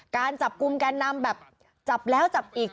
การจับกลุ่มแกนนำแบบจับแล้วจับอีก